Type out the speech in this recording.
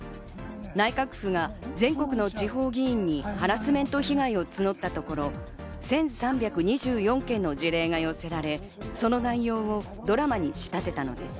内閣府が全国の地方議員にハラスメント被害を募ったところ１３２４件の事例が寄せられ、その内容をドラマに仕立てたのです。